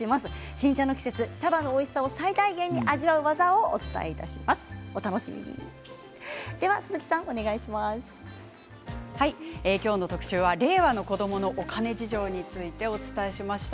新茶の季節茶葉のおいしさを最大限に今日の特集は令和の子どものお金事情についてお伝えしました。